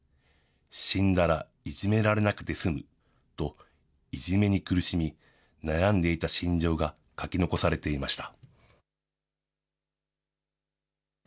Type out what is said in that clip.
死んだらいじめられなくて済むといじめに苦しみ、悩んでいた心情が書き残されていました。